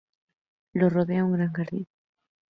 Lo rodea un gran jardín.